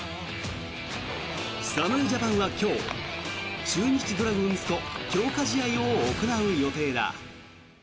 侍ジャパンは今日中日ドラゴンズと強化試合を行う予定だ。